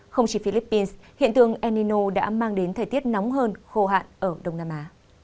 không chỉ philippines hiện tượng enino đã mang đến thời tiết nóng hơn khô hạn ở đông nam á